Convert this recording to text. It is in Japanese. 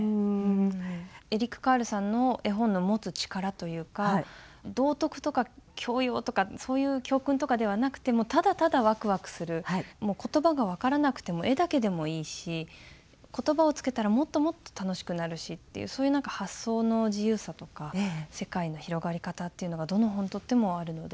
エリック・カールさんの絵本の持つ力というか道徳とか教養とかそういう教訓とかではなくてもただただワクワクするもう言葉が分からなくても絵だけでもいいし言葉をつけたらもっともっと楽しくなるしっていうそういう発想の自由さとか世界の広がり方っていうのがどの本とってもあるので。